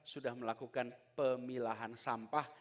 sudah melakukan pemilahan sampah